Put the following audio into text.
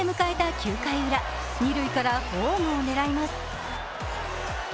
９回裏、二塁からホームを狙います。